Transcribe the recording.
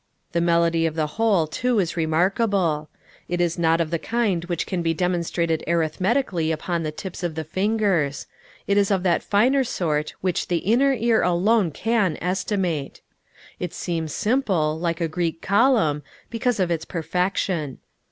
The melody of the whole, too, is remarkable. It is not of that kind which can be demonstrated arithmetically upon the tips of the fingers. It is of that finer sort which the inner ear alone can estimate. It seems simple, like a Greek column, because of its perfection.